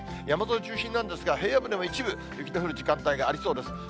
山沿い中心なんですが、平野部でも一部、雪の降る時間帯がありそうです。